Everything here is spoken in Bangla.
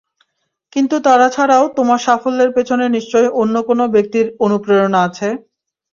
কিন্তু তাঁরা ছাড়াও তোমার সাফল্যের পেছনে নিশ্চয় অন্য কোনো ব্যক্তির অনুপ্রেরণা আছে।